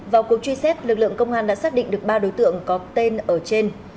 vào cuộc truy xét lực lượng công an đã xác định được ba đối tượng có tên ở trên